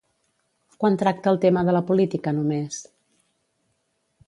Quan tracta el tema de la política només?